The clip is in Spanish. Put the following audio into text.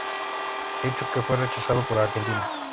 Hecho que fue rechazado por Argentina.